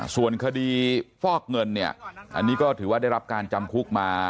ส่วนคดีฟอกเงินเนี่ยอันนี้ก็ถือว่าได้รับการจำคุกมา